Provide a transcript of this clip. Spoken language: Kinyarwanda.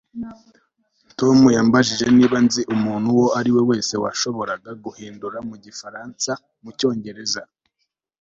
Tom yambajije niba nzi umuntu uwo ari we wese washoboraga guhindura mu gifaransa mu Cyongereza